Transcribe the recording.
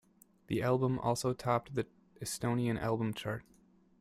The album also topped the Estonian album chart.